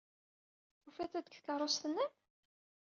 Tufid-t-id deg tkeṛṛust-nnem?